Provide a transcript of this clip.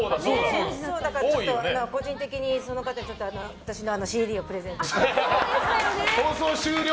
だから個人的にその方に私のＣＤをプレゼントして。